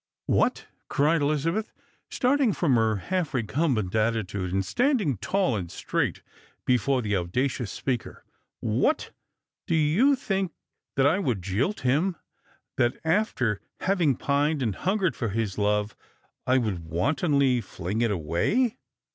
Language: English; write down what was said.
" What! " cried Elizabeth, starting from her half recumbent attitude, and standing tall and straight before the audacious speaker. " What ! Do you think that I would jilt him, that after having pined and hungered for his love I would wantonly fling it away